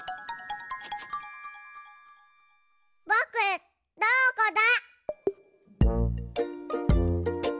ぼくどこだ？